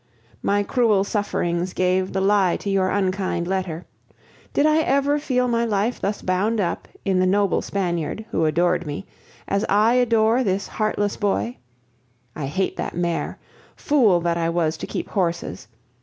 My cruel sufferings gave the lie to your unkind letter. Did I ever feel my life thus bound up in the noble Spaniard, who adored me, as I adore this heartless boy? I hate that mare! Fool that I was to keep horses!